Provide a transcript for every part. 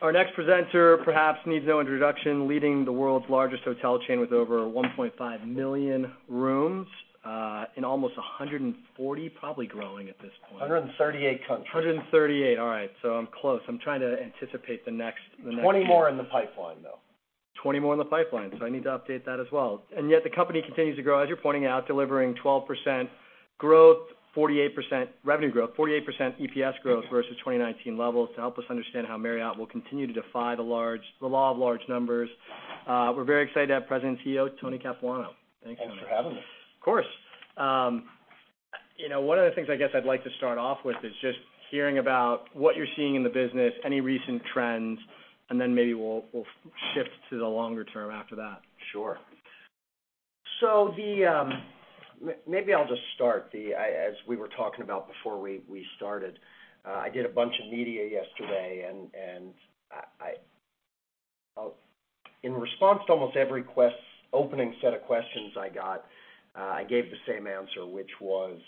Our next presenter perhaps needs no introduction, leading the world's largest hotel chain with over 1.5 million rooms, in almost 140, probably growing at this point. 138 countries. 138. All right, I'm close. I'm trying to anticipate the next. 20 more in the pipeline, though. 20 more in the pipeline, so I need to update that as well. Yet the company continues to grow, as you're pointing out, delivering 12% growth, 48% revenue growth, 48% EPS growth versus 2019 levels. To help us understand how Marriott will continue to defy the law of large numbers, we're very excited to have President and CEO, Tony Capuano. Thanks, Tony. Thanks for having me. Of course. you know, one of the things I guess I'd like to start off with is just hearing about what you're seeing in the business, any recent trends, and then maybe we'll shift to the longer term after that. Sure. Maybe I'll just start. As we were talking about before we started, I did a bunch of media yesterday, and in response to almost every opening set of questions I got, I gave the same answer, which was,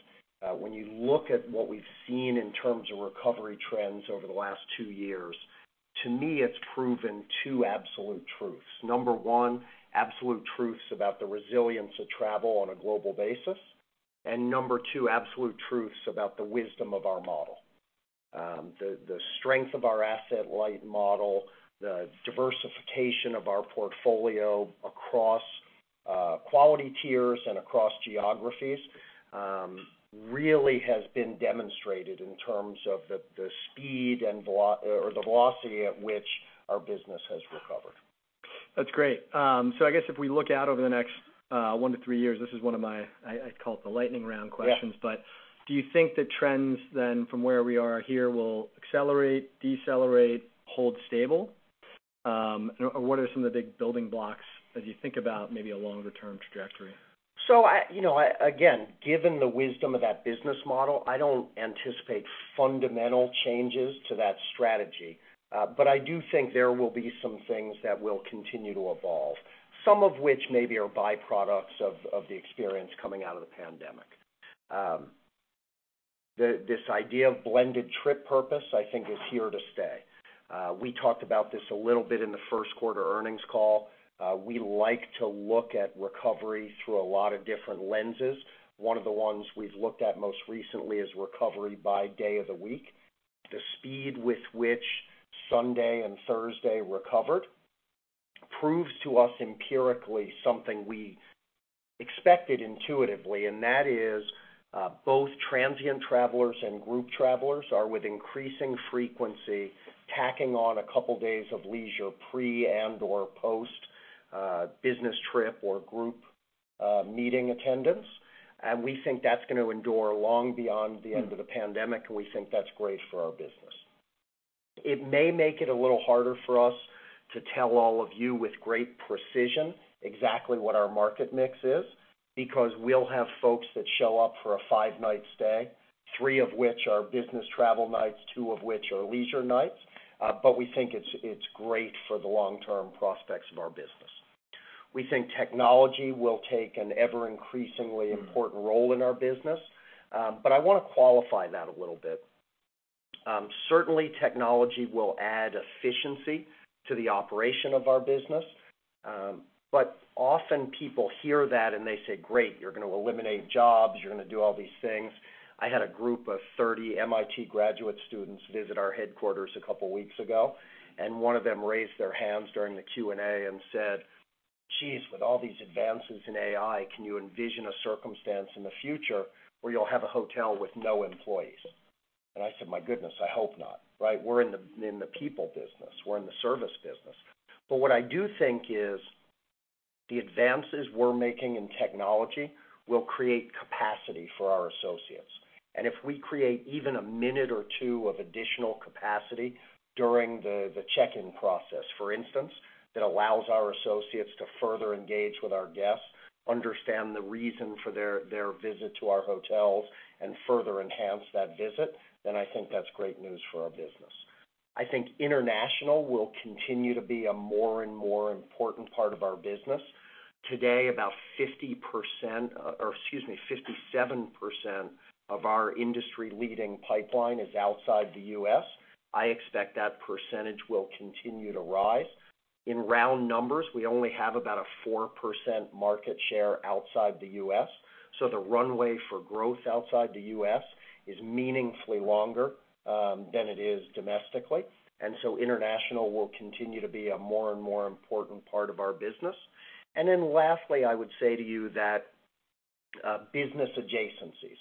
when you look at what we've seen in terms of recovery trends over the last two years, to me, it's proven two absolute truths. Number one, absolute truths about the resilience of travel on a global basis, and number two, absolute truths about the wisdom of our model. The strength of our asset-light model, the diversification of our portfolio across quality tiers and across geographies, really has been demonstrated in terms of the speed and or the velocity at which our business has recovered. That's great. I guess if we look out over the next, one to three years, this is one of my... I call it the lightning round questions. Yeah. Do you think the trends then, from where we are here, will accelerate, decelerate, hold stable? Or what are some of the big building blocks as you think about maybe a longer-term trajectory? I, you know, again, given the wisdom of that business model, I don't anticipate fundamental changes to that strategy. I do think there will be some things that will continue to evolve, some of which maybe are byproducts of the experience coming out of the pandemic. This idea of blended trip purpose, I think, is here to stay. We talked about this a little bit in the first quarter earnings call. We like to look at recovery through a lot of different lenses. One of the ones we've looked at most recently is recovery by day of the week. The speed with which Sunday and Thursday recovered proves to us empirically, something we expected intuitively, and that is, both transient travelers and group travelers are, with increasing frequency, tacking on a couple days of leisure, pre and/or post, business trip or group, meeting attendance. We think that's going to endure long beyond the end of the pandemic, and we think that's great for our business. It may make it a little harder for us to tell all of you with great precision, exactly what our market mix is, because we'll have folks that show up for a five-night stay, three of which are business travel nights, two of which are leisure nights. We think it's great for the long-term prospects of our business. We think technology will take an ever increasingly important role in our business, but I want to qualify that a little bit. Certainly, technology will add efficiency to the operation of our business, but often people hear that and they say, "Great, you're going to eliminate jobs. You're going to do all these things." I had a group of 30 MIT graduate students visit our headquarters a couple of weeks ago, one of them raised their hands during the Q&A and said, "Geez, with all these advances in AI, can you envision a circumstance in the future where you'll have a hotel with no employees?" I said: My goodness, I hope not, right? We're in the people business. We're in the service business. What I do think is, the advances we're making in technology will create capacity for our associates. If we create even a minute or two of additional capacity during the check-in process, for instance, that allows our associates to further engage with our guests, understand the reason for their visit to our hotels, and further enhance that visit, then I think that's great news for our business. I think international will continue to be a more and more important part of our business. Today, about 50%, or excuse me, 57% of our industry-leading pipeline is outside the U.S. I expect that percentage will continue to rise. In round numbers, we only have about a 4% market share outside the U.S., so the runway for growth outside the U.S. is meaningfully longer than it is domestically. International will continue to be a more and more important part of our business. Lastly, I would say to you that business adjacencies,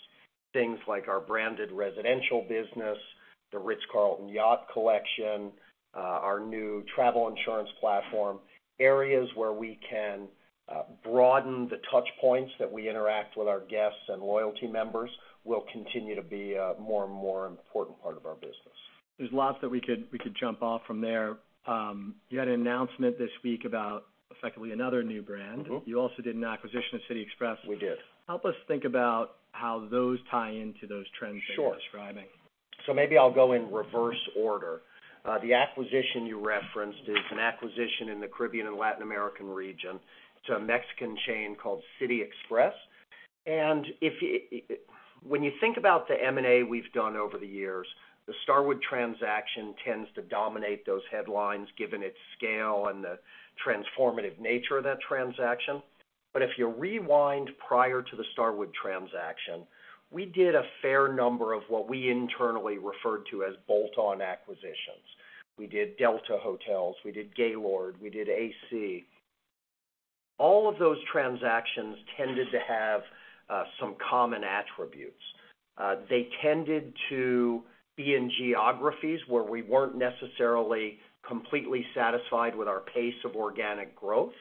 things like our branded residential business, The Ritz-Carlton Yacht Collection, our new travel insurance platform, areas where we can broaden the touch points that we interact with our guests and loyalty members, will continue to be a more and more important part of our business. There's lots that we could jump off from there. You had an announcement this week about effectively another new brand. Mm-hmm. You also did an acquisition of City Express. We did. Help us think about how those tie into those trends. Sure.... you're describing. Maybe I'll go in reverse order. The acquisition you referenced is an acquisition in the Caribbean and Latin American region to a Mexican chain called City Express. If when you think about the M&A we've done over the years, the Starwood transaction tends to dominate those headlines, given its scale and the transformative nature of that transaction. If you rewind prior to the Starwood transaction, we did a fair number of what we internally referred to as bolt-on acquisitions. We did Delta Hotels, we did Gaylord, we did AC. All of those transactions tended to have some common attributes. They tended to be in geographies where we weren't necessarily completely satisfied with our pace of organic growth,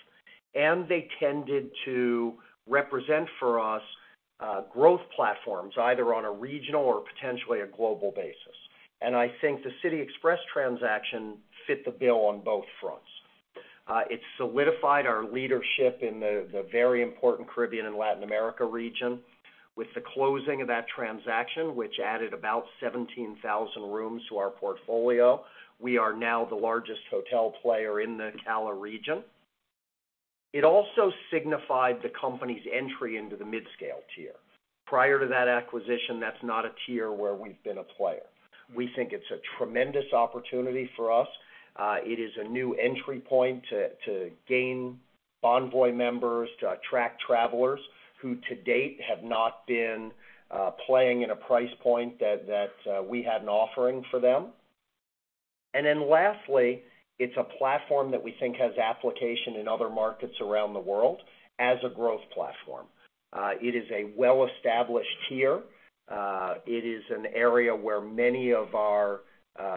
and they tended to represent for us growth platforms, either on a regional or potentially a global basis. I think the City Express transaction fit the bill on both fronts. It solidified our leadership in the very important Caribbean and Latin America region. With the closing of that transaction, which added about 17,000 rooms to our portfolio, we are now the largest hotel player in the CALA region. It also signified the company's entry into the mid-scale tier. Prior to that acquisition, that's not a tier where we've been a player. We think it's a tremendous opportunity for us. It is a new entry point to gain Bonvoy members, to attract travelers who, to date, have not been playing in a price point that we had an offering for them. Lastly, it's a platform that we think has application in other markets around the world as a growth platform. It is a well-established tier. It is an area where many of our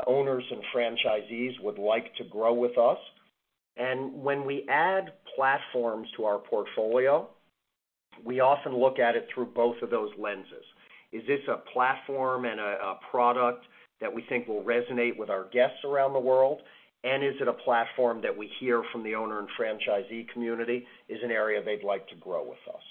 owners and franchisees would like to grow with us. When we add platforms to our portfolio, we often look at it through both of those lenses. Is this a platform and a product that we think will resonate with our guests around the world? Is it a platform that we hear from the owner and franchisee community is an area they'd like to grow with us?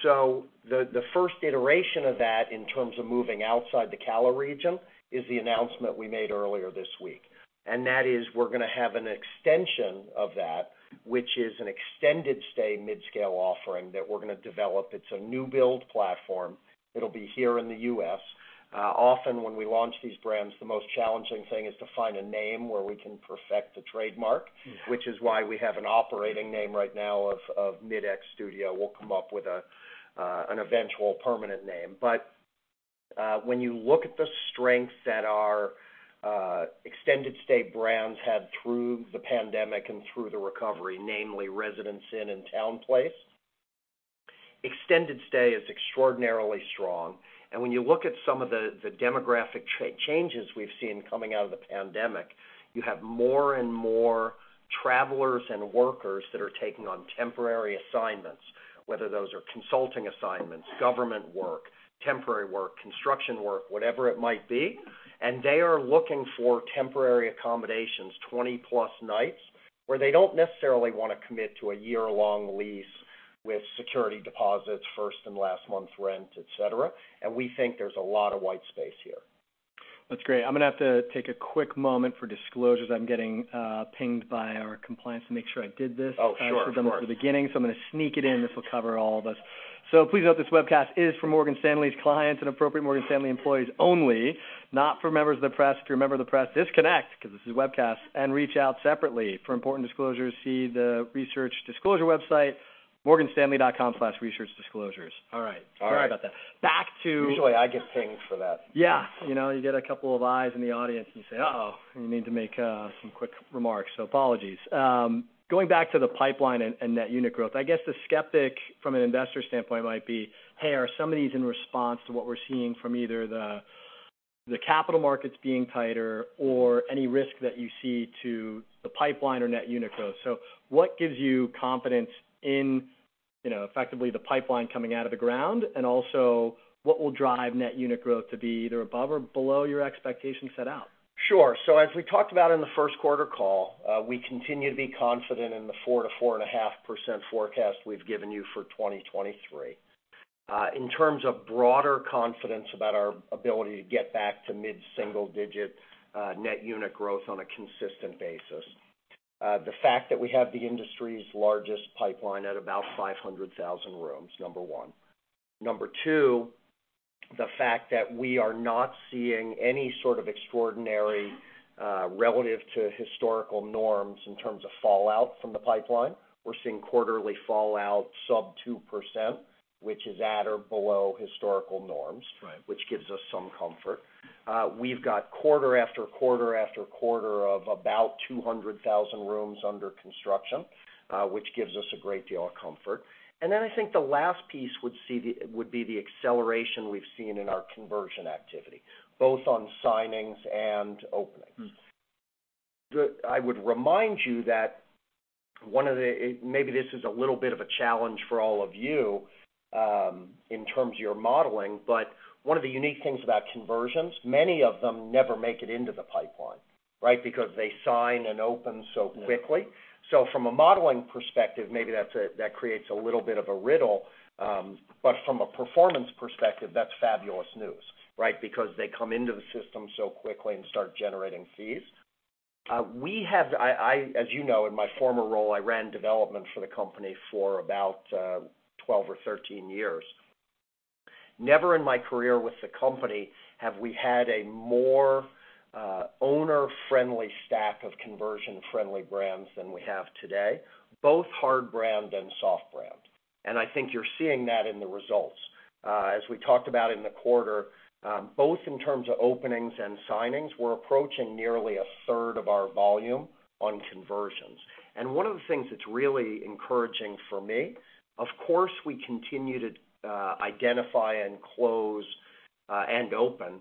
The first iteration of that, in terms of moving outside the CALA region, is the announcement we made earlier this week, and that is we're going to have an extension of that, which is an extended-stay mid-scale offering that we're going to develop. It's a new build platform. It'll be here in the U.S. Often when we launch these brands, the most challenging thing is to find a name where we can perfect the trademark, which is why we have an operating name right now of MidX Studios. We'll come up with a an eventual permanent name. When you look at the strengths that our extended stay brands had through the pandemic and through the recovery, namely Residence Inn and TownePlace, extended stay is extraordinarily strong. When you look at some of the demographic changes we've seen coming out of the pandemic, you have more and more travelers and workers that are taking on temporary assignments, whether those are consulting assignments, government work, temporary work, construction work, whatever it might be, and they are looking for temporary accommodations, 20+ nights, where they don't necessarily want to commit to a year-long lease with security deposits, first and last month's rent, et cetera. We think there's a lot of white space here. That's great. I'm going to have to take a quick moment for disclosures. I'm getting pinged by our compliance to make sure I did this. Oh, sure. At the beginning, I'm going to sneak it in. This will cover all of us. Please note this webcast is for Morgan Stanley's clients and appropriate Morgan Stanley employees only, not for members of the press. If you're a member of the press, disconnect, because this is a webcast, and reach out separately. For important disclosures, see the research disclosure website, morganstanley.com/researchdisclosures. All right. All right. Sorry about that. Usually, I get pinged for that. Yeah. You know, you get a couple of eyes in the audience, and you say, uh-oh, we need to make some quick remarks, apologies. Going back to the pipeline and net unit growth, I guess the skeptic, from an investor standpoint, might be, "Hey, are some of these in response to what we're seeing from either the capital markets being tighter or any risk that you see to the pipeline or net unit growth?" What gives you confidence in, you know, effectively the pipeline coming out of the ground, and also, what will drive net unit growth to be either above or below your expectations set out? Sure. As we talked about in the first quarter call, we continue to be confident in the 4%-4.5% forecast we've given you for 2023. In terms of broader confidence about our ability to get back to mid-single digit, net unit growth on a consistent basis, the fact that we have the industry's largest pipeline at about 500,000 rooms, number one. Number two, the fact that we are not seeing any sort of extraordinary, relative to historical norms in terms of fallout from the pipeline. We're seeing quarterly fallout sub 2%, which is at or below historical norms. Right.... which gives us some comfort. we've got quarter-after-quarter-after-quarter of about 200,000 rooms under construction, which gives us a great deal of comfort. Then I think the last piece would be the acceleration we've seen in our conversion activity, both on signings and openings. Mm. I would remind you that one of the Maybe this is a little bit of a challenge for all of you, in terms of your modeling, but one of the unique things about conversions, many of them never make it into the pipeline, right? Because they sign and open so quickly. Mm. From a modeling perspective, maybe that creates a little bit of a riddle, but from a performance perspective, that's fabulous news, right? Because they come into the system so quickly and start generating fees. We have, as you know, in my former role, I ran development for the company for about 12 or 13 years. Never in my career with the company have we had a more owner-friendly stack of conversion-friendly brands than we have today, both hard brand and soft brand. I think you're seeing that in the results. As we talked about in the quarter, both in terms of openings and signings, we're approaching nearly a third of our volume on conversions. One of the things that's really encouraging for me, of course, we continue to identify and close and open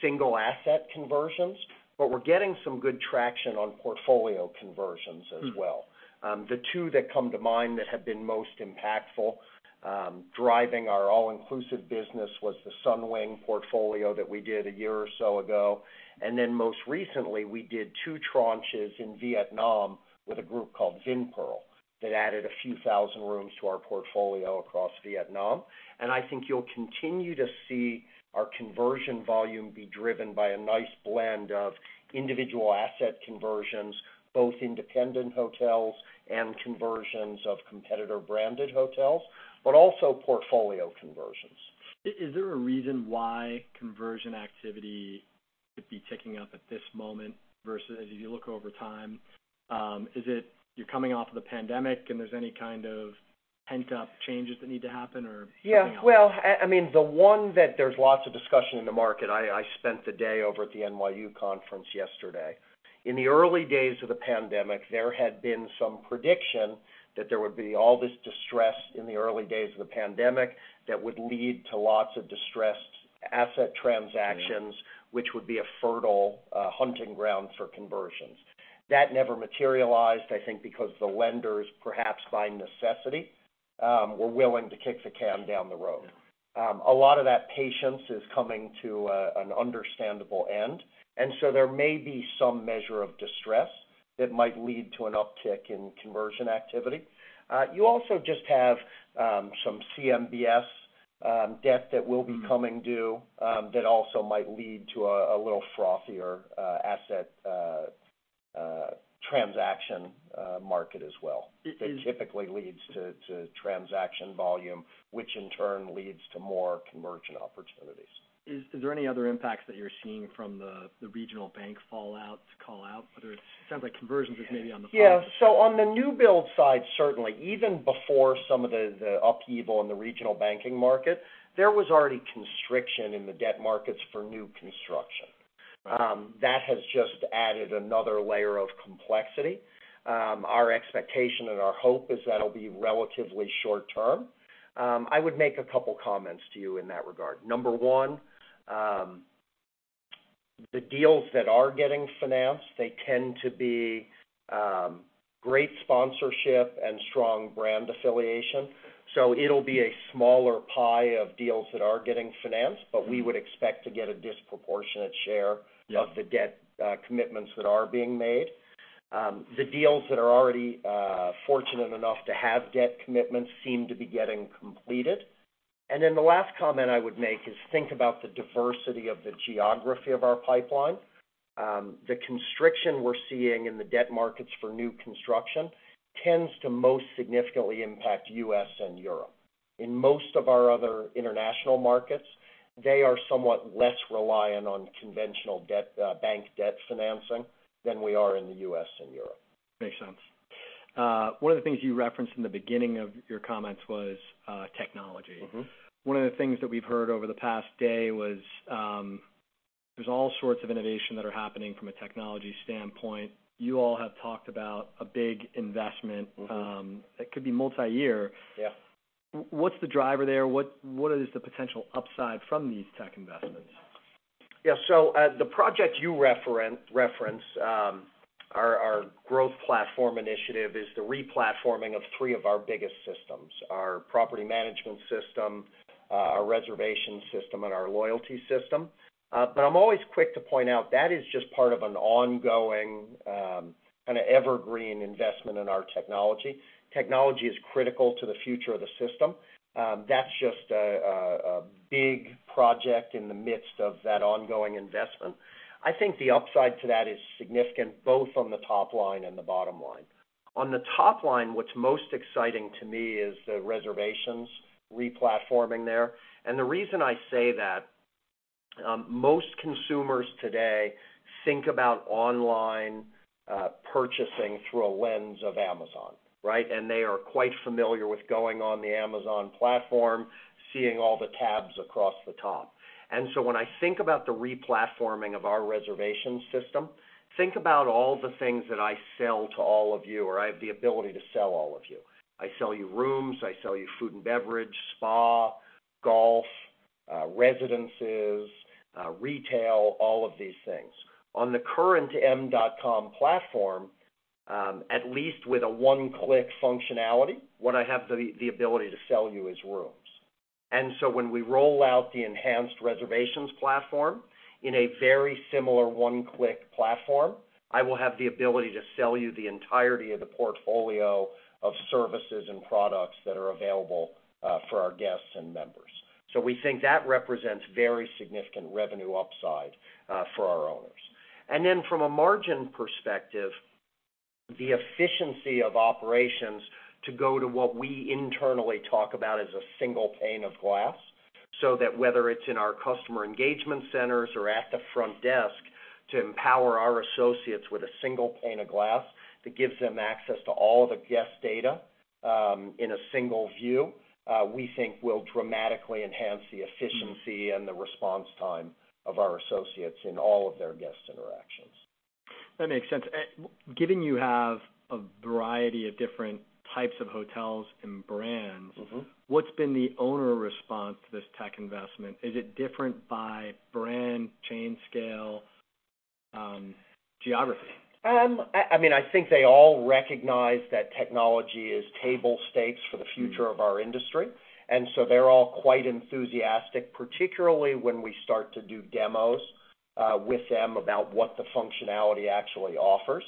single asset conversions, but we're getting some good traction on portfolio conversions as well. The two that come to mind that have been most impactful, driving our all-inclusive business was the Sunwing portfolio that we did a year or so ago. Most recently, we did 2 tranches in Vietnam with a group called Vinpearl, that added a few thousand rooms to our portfolio across Vietnam. I think you'll continue to see our conversion volume be driven by a nice blend of individual asset conversions, both independent hotels and conversions of competitor-branded hotels, but also portfolio conversions. Is there a reason why conversion activity could be ticking up at this moment versus as you look over time, is it you're coming off of the pandemic, and there's any kind of pent-up changes that need to happen, or something else? Yeah. Well, I mean, the one that there's lots of discussion in the market, I spent the day over at the NYU conference yesterday. In the early days of the pandemic, there had been some prediction that there would be all this distress in the early days of the pandemic that would lead to lots of distressed asset transactions, which would be a fertile hunting ground for conversions. That never materialized, I think because the lenders, perhaps by necessity, were willing to kick the can down the road. A lot of that patience is coming to an understandable end, there may be some measure of distress that might lead to an uptick in conversion activity. You also just have some CMBS debt that will be coming due, that also might lead to a little frothier asset transaction market as well, that typically leads to transaction volume, which in turn leads to more conversion opportunities. Is there any other impacts that you're seeing from the regional bank fallout call out? Sounds like conversions is maybe on the front. On the new build side, certainly, even before some of the upheaval in the regional banking market, there was already constriction in the debt markets for new construction. That has just added another layer of complexity. Our expectation and our hope is that'll be relatively short term. I would make a couple comments to you in that regard. Number one, the deals that are getting financed, they tend to be great sponsorship and strong brand affiliation. It'll be a smaller pie of deals that are getting financed, but we would expect to get a disproportionate share- Yeah.... of the debt, commitments that are being made. The deals that are already fortunate enough to have debt commitments seem to be getting completed. The last comment I would make is think about the diversity of the geography of our pipeline. The constriction we're seeing in the debt markets for new construction tends to most significantly impact U.S. and Europe. In most of our other international markets, they are somewhat less reliant on conventional debt, bank debt financing than we are in the U.S. and Europe. Makes sense. One of the things you referenced in the beginning of your comments was technology. Mm-hmm. One of the things that we've heard over the past day was, there's all sorts of innovation that are happening from a technology standpoint. You all have talked about a big investment, that could be multi-year. Yeah. What's the driver there? What is the potential upside from these tech investments? The project you reference, our growth platform initiative, is the replatforming of three of our biggest systems: our property management system, our reservation system, and our loyalty system. I'm always quick to point out that is just part of an ongoing, kind of evergreen investment in our technology. Technology is critical to the future of the system. That's just a big project in the midst of that ongoing investment. I think the upside to that is significant, both on the top line and the bottom line. On the top line, what's most exciting to me is the reservations replatforming there. The reason I say that, most consumers today think about online purchasing through a lens of Amazon, right? They are quite familiar with going on the Amazon platform, seeing all the tabs across the top. When I think about the replatforming of our reservation system, think about all the things that I sell to all of you, or I have the ability to sell all of you. I sell you rooms, I sell you food and beverage, spa, golf, residences, retail, all of these things. On the current Marriott.com platform, at least with a one-click functionality, what I have the ability to sell you is rooms. When we roll out the enhanced reservations platform in a very similar one-click platform, I will have the ability to sell you the entirety of the portfolio of services and products that are available for our guests and members. We think that represents very significant revenue upside for our owners. From a margin perspective, the efficiency of operations to go to what we internally talk about as a single pane of glass, so that whether it's in our customer engagement centers or at the front desk, to empower our associates with a single pane of glass that gives them access to all the guest data, in a single view, we think will dramatically enhance the efficiency and the response time of our associates in all of their guest interactions. That makes sense. Given you have a variety of different types of hotels and brands... Mm-hmm. what's been the owner response to this tech investment? Is it different by brand, chain scale, geography? I mean, I think they all recognize that technology is table stakes for the future of our industry. They're all quite enthusiastic, particularly when we start to do demos with them about what the functionality actually offers.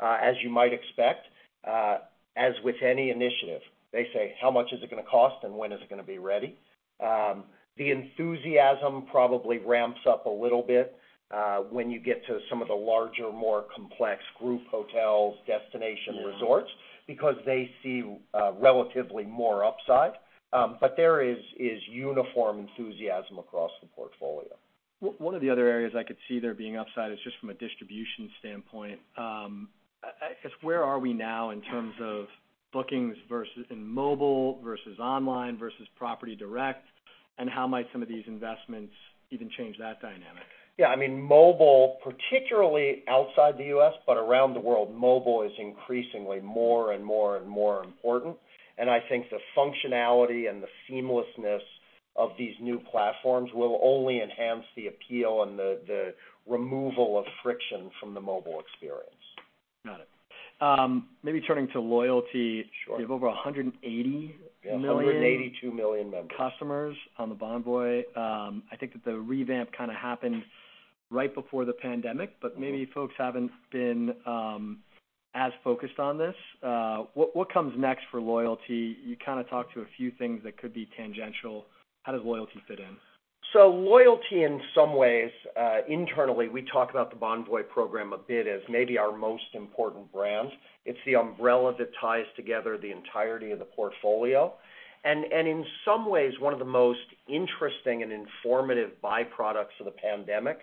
As you might expect, as with any initiative, they say: How much is it gonna cost? When is it gonna be ready? The enthusiasm probably ramps up a little bit when you get to some of the larger, more complex group hotels, destination resorts. Yeah.... because they see, relatively more upside. There is uniform enthusiasm across the portfolio. One of the other areas I could see there being upside is just from a distribution standpoint. I guess, where are we now in terms of bookings versus in mobile versus online versus property direct, and how might some of these investments even change that dynamic? Yeah, I mean, mobile, particularly outside the U.S., but around the world, mobile is increasingly more and more and more important. I think the functionality and the seamlessness of these new platforms will only enhance the appeal and the removal of friction from the mobile experience. Got it. maybe turning to loyalty- Sure. you have over 180 million- Yeah, 182 million members.... customers on the Bonvoy. I think that the revamp kind of happened right before the pandemic, but maybe folks haven't been as focused on this. What comes next for loyalty? You kind of talked to a few things that could be tangential. How does loyalty fit in? Loyalty, in some ways, internally, we talk about the Bonvoy program a bit as maybe our most important brand. It's the umbrella that ties together the entirety of the portfolio. And in some ways, one of the most interesting and informative byproducts of the pandemic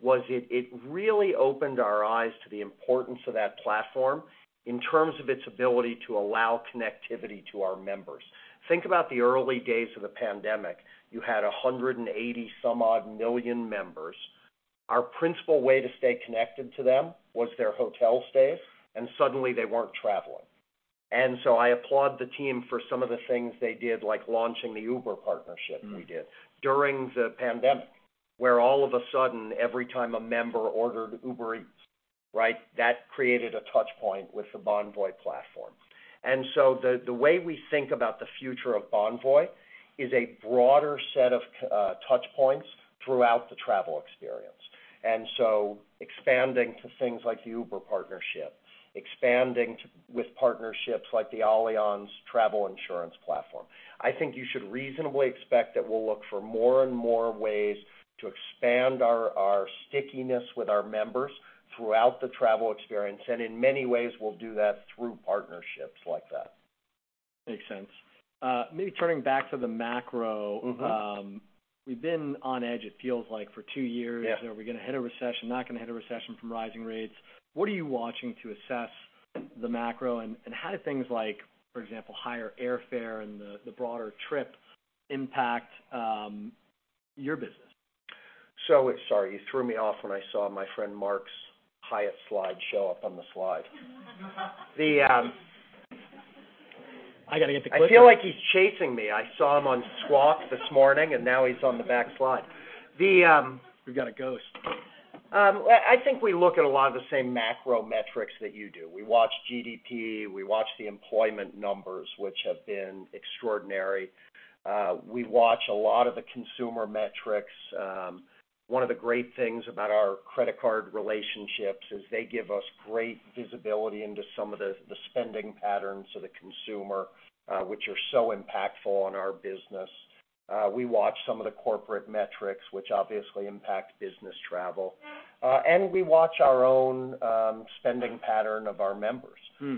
was it really opened our eyes to the importance of that platform in terms of its ability to allow connectivity to our members. Think about the early days of the pandemic: you had 180-some-odd million members. Our principal way to stay connected to them was their hotel stays, and suddenly they weren't traveling. I applaud the team for some of the things they did, like launching the Uber partnership we did during the pandemic, where all of a sudden, every time a member ordered Uber Eats, right, that created a touch point with the Bonvoy platform. The way we think about the future of Bonvoy is a broader set of touch points throughout the travel experience. Expanding to things like the Uber partnership, expanding with partnerships like the Allianz travel insurance platform. I think you should reasonably expect that we'll look for more and more ways to expand our stickiness with our members throughout the travel experience, and in many ways, we'll do that through partnerships like that. Makes sense. Maybe turning back to the. Mm-hmm. We've been on edge, it feels like, for two years. Yeah. Are we gonna hit a recession, not gonna hit a recession from rising rates? What are you watching to assess the macro, and how do things like, for example, higher airfare and the broader trip impact your business? Sorry, you threw me off when I saw my friend Mark's Hyatt slide show up on the slide. I gotta get the clicker. I feel like he's chasing me. I saw him on Squawk this morning, and now he's on the back slide. We've got a ghost. I think we look at a lot of the same macro metrics that you do. We watch GDP, we watch the employment numbers, which have been extraordinary. We watch a lot of the consumer metrics. One of the great things about our credit card relationships is they give us great visibility into some of the spending patterns of the consumer, which are so impactful on our business. We watch some of the corporate metrics, which obviously impact business travel. We watch our own spending pattern of our members. Hmm.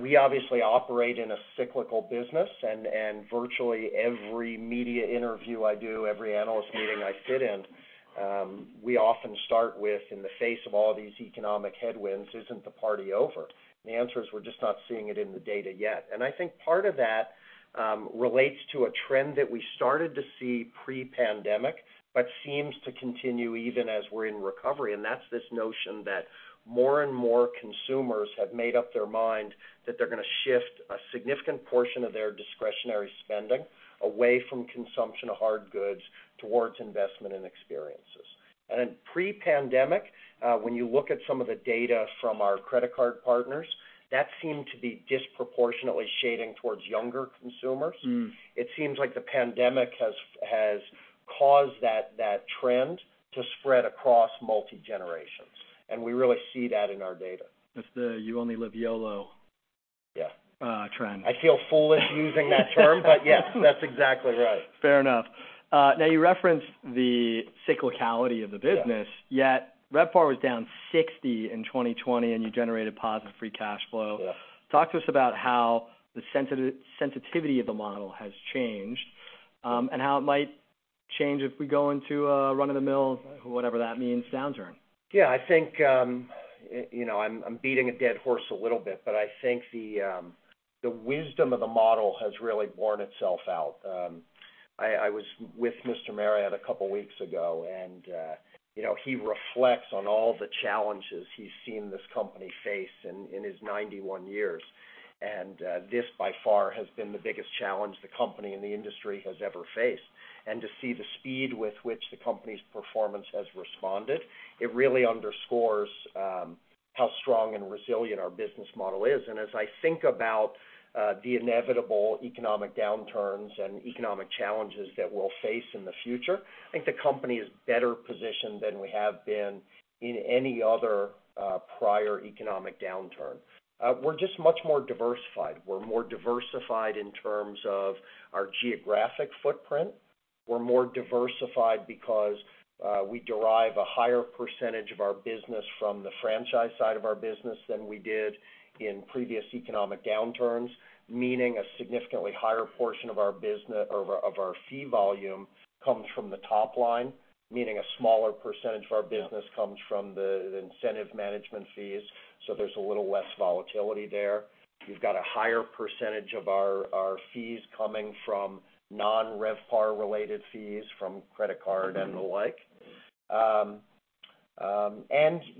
We obviously operate in a cyclical business, and virtually every media interview I do, every analyst meeting I sit in, we often start with, "In the face of all these economic headwinds, isn't the party over?" The answer is, we're just not seeing it in the data yet. I think part of that relates to a trend that we started to see pre-pandemic, but seems to continue even as we're in recovery, and that's this notion that more and more consumers have made up their mind that they're gonna shift a significant portion of their discretionary spending away from consumption of hard goods towards investment and experiences. Pre-pandemic, when you look at some of the data from our credit card partners, that seemed to be disproportionately shading towards younger consumers. Hmm. It seems like the pandemic has caused that trend to spread across multi-generations. We really see that in our data. It's the you only live YOLO- Yeah. trend. I feel foolish using that term, but yes, that's exactly right. Fair enough. You referenced the cyclicality of the business. Yeah Yet RevPAR was down 60 in 2020, and you generated positive free cash flow. Yeah. Talk to us about how the sensitivity of the model has changed, and how it might change if we go into a run-of-the-mill, whatever that means, downturn. Yeah, I think, you know, I'm beating a dead horse a little bit, but I think the wisdom of the model has really worn itself out. I was with Mr. Marriott a couple of weeks ago, and, you know, he reflects on all the challenges he's seen this company face in his 91 years. This, by far, has been the biggest challenge the company and the industry has ever faced. To see the speed with which the company's performance has responded, it really underscores how strong and resilient our business model is. As I think about the inevitable economic downturns and economic challenges that we'll face in the future, I think the company is better positioned than we have been in any other prior economic downturn. We're just much more diversified. We're more diversified in terms of our geographic footprint. We're more diversified because we derive a higher percentage of our business from the franchise side of our business than we did in previous economic downturns, meaning a significantly higher portion of our fee volume comes from the top line, meaning a smaller percentage of our business. Yeah. Comes from the incentive management fees. There's a little less volatility there. We've got a higher percentage of our fees coming from non-RevPAR-related fees from credit card and the like.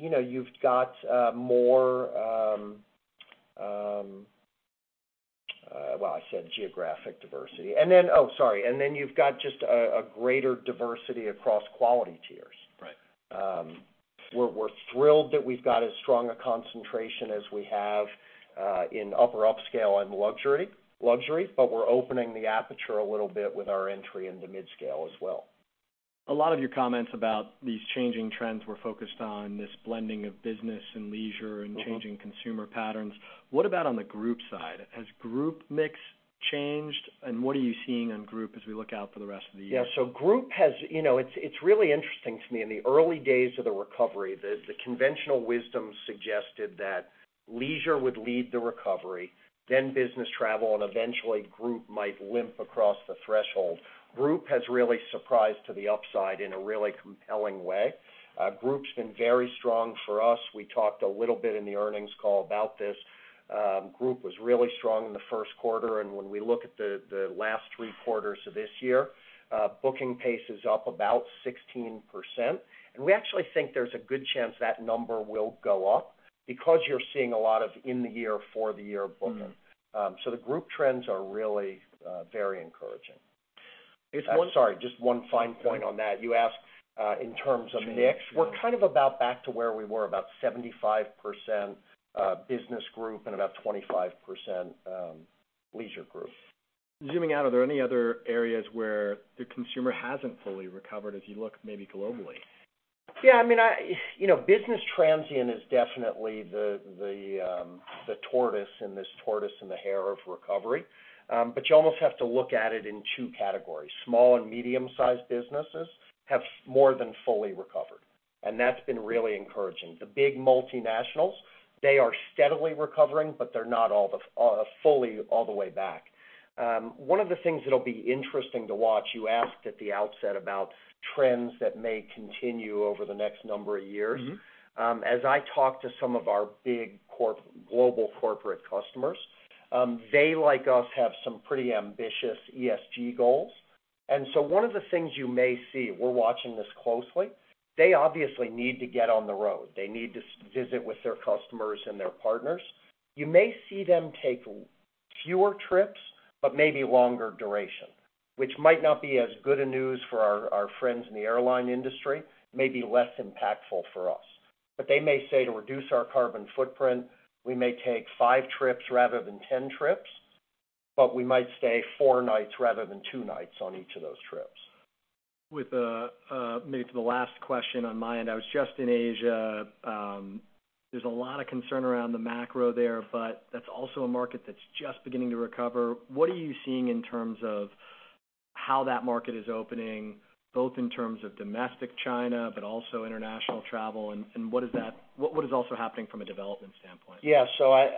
You know, you've got more, well, I said geographic diversity. Then... Oh, sorry, then you've got just a greater diversity across quality tiers. Right. We're thrilled that we've got as strong a concentration as we have, in upper upscale and luxury, but we're opening the aperture a little bit with our entry into midscale as well. A lot of your comments about these changing trends were focused on this blending of business and leisure- Mm-hmm. Changing consumer patterns. What about on the group side? Has group mix changed, and what are you seeing on group as we look out for the rest of the year? You know, it's really interesting to me. In the early days of the recovery, the conventional wisdom suggested that leisure would lead the recovery, then business travel, and eventually, group might limp across the threshold. Group has really surprised to the upside in a really compelling way. Group's been very strong for us. We talked a little bit in the earnings call about this. Group was really strong in the first quarter, and when we look at the last three quarters of this year, booking pace is up about 16%. We actually think there's a good chance that number will go up because you're seeing a lot of in-the-year, for-the-year booking. Mm-hmm. The group trends are really very encouraging. It's. I'm sorry, just one fine point on that. You asked, in terms of mix... Change, yeah. We're kind of about back to where we were, about 75%, business group and about 25%, leisure group. Zooming out, are there any other areas where the consumer hasn't fully recovered as you look maybe globally? I mean, You know, business transient is definitely the tortoise in this tortoise and the hare of recovery. You almost have to look at it in two categories. Small and medium-sized businesses have more than fully recovered, and that's been really encouraging. The big multinationals, they are steadily recovering, but they're not fully all the way back. One of the things that'll be interesting to watch, you asked at the outset about trends that may continue over the next number of years. Mm-hmm. As I talk to some of our global corporate customers, they, like us, have some pretty ambitious ESG goals. One of the things you may see, we're watching this closely, they obviously need to get on the road. They need to visit with their customers and their partners. You may see them take fewer trips, but maybe longer duration, which might not be as good a news for our friends in the airline industry, may be less impactful for us. They may say, to reduce our carbon footprint, we may take five trips rather than 10 trips, but we might stay four nights rather than two nights on each of those trips. With, maybe for the last question on my end, I was just in Asia. There's a lot of concern around the macro there, but that's also a market that's just beginning to recover. What are you seeing in terms of how that market is opening, both in terms of domestic China, but also international travel? What is also happening from a development standpoint? Yeah,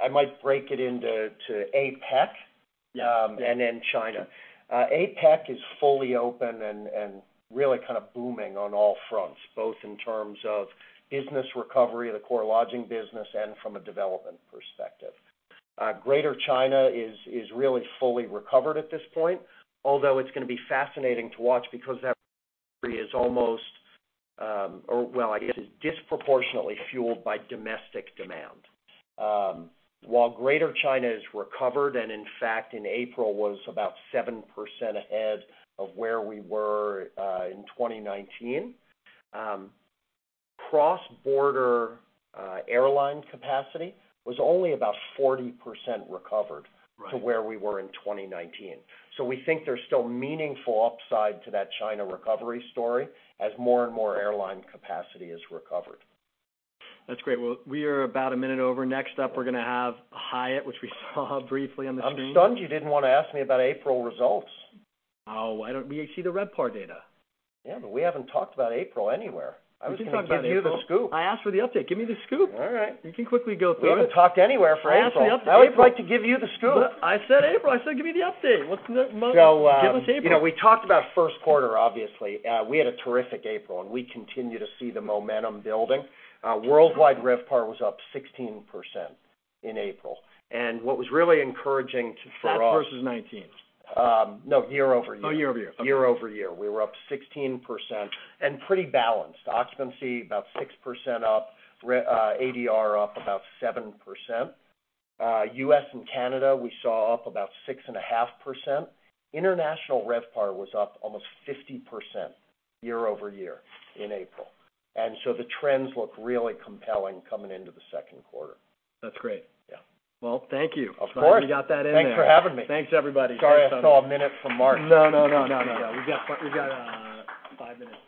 I might break it into APAC. Yeah. China. APAC is fully open and really kind of booming on all fronts, both in terms of business recovery, the core lodging business, and from a development perspective. Greater China is really fully recovered at this point, although it's going to be fascinating to watch because or, well, I guess, is disproportionately fueled by domestic demand. While Greater China is recovered, and in fact, in April, was about 7% ahead of where we were in 2019, cross-border airline capacity was only about 40% recovered. Right.... to where we were in 2019. We think there's still meaningful upside to that China recovery story as more and more airline capacity is recovered. That's great. Well, we are about a minute over. Next up, we're going to have Hyatt, which we saw briefly on the screen. I'm stunned you didn't want to ask me about April results. Oh, why don't we see the RevPAR data? Yeah, we haven't talked about April anywhere. I was going to give you the scoop. I asked for the update. Give me the scoop. All right. You can quickly go through it. We haven't talked anywhere for April. I asked the update. I would like to give you the scoop. I said April. I said give me the update. What's the most- So, uh- Give us April. You know, we talked about first quarter, obviously. We had a terrific April, and we continue to see the momentum building. Worldwide, RevPAR was up 16% in April, and what was really encouraging for us. That versus 2019? No, year-over-year. Oh, year-over-year. Okay. Year-over-year, we were up 16% and pretty balanced. Occupancy, about 6% up, ADR up about 7%. U.S. and Canada, we saw up about 6.5%. International RevPAR was up almost 50% year-over-year in April, the trends look really compelling coming into the second quarter. That's great. Yeah. Well, thank you. Of course! Glad we got that in there. Thanks for having me. Thanks, everybody. Sorry I stole a minute from Mark. No, no, no, no. We've got five minutes.